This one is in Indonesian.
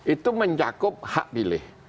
itu mencakup hak pilih